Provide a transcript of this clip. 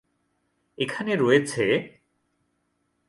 এখানে রয়েছেঃ